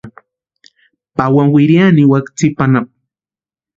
Pawani wiriani niwaka tsipa anapu.